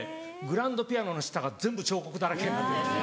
グランドピアノの下が全部彫刻だらけになってるんです。